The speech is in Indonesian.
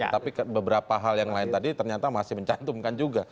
tapi beberapa hal yang lain tadi ternyata masih mencantumkan juga